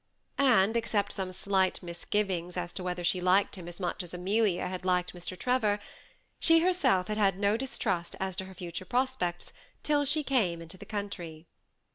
And except some slight misgivings as to whether she liked him as much as Amelia had liked Mr. Trevor, she herself had had no distrust as to her future prospects till she came into the country.